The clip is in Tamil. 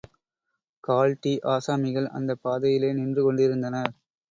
கால்ட்டீ ஆசாமிகள் அந்தப் பாதையிலே நின்று கொண்டிருந்தனர்.